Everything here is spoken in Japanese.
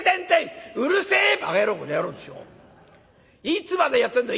いつまでやってんだ！